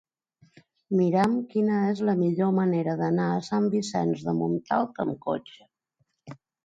Mira'm quina és la millor manera d'anar a Sant Vicenç de Montalt amb cotxe.